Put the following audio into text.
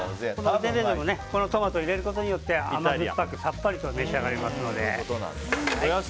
このトマトを入れることによって甘酸っぱくさっぱりと召し上がれますので。